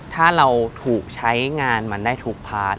ถ้าเราถูกใช้งานมันได้ถูกพาร์ท